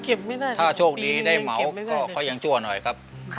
ไม่ได้ถ้าโชคดีได้เหมาก็ยังชั่วหน่อยครับ